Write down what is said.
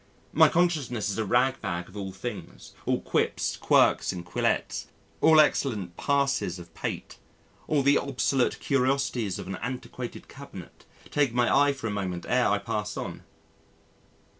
My consciousness is a ragbag of things: all quips, quirks, and quillets, all excellent passes of pate, all the "obsolete curiosities of an antiquated cabinet" take my eye for a moment ere I pass on.